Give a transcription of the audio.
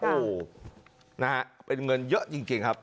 โอ้โหนะฮะเป็นเงินเยอะจริงครับ